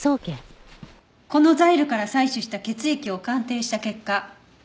このザイルから採取した血液を鑑定した結果